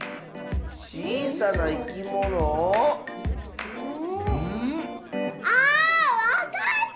ちいさないきもの？あわかった！